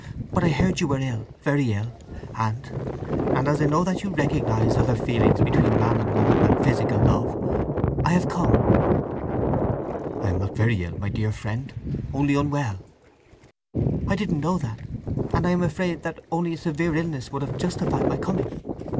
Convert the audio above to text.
"But I heard you were ill—very ill; and—and as I know that you recognize other feelings between man and woman than physical love, I have come." "I am not very ill, my dear friend. Only unwell." "I didn't know that; and I am afraid that only a severe illness would have justified my coming!"